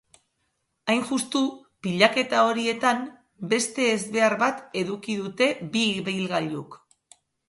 Hain justu, pilaketa horietan beste ezbehar bat eduki dute bi ibilgailuk.